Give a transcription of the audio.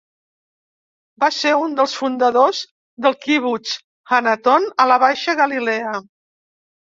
Va ser un dels fundadors del kibbutz Hanaton a la Baixa Galilea.